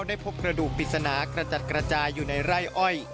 ได้พบกระดูกปริศนากระจัดกระจายอยู่ในไร่อ้อย